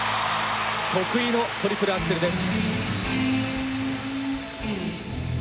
得意のトリプルアクセルです。